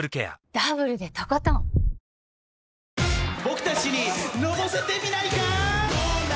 僕たちにのぼせてみないかい？